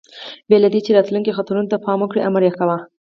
بې له دې، چې راتلونکو خطرونو ته پام وکړي، امر یې کاوه.